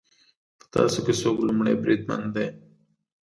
په تاسو کې څوک لومړی بریدمن دی